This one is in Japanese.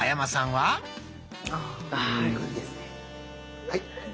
はい。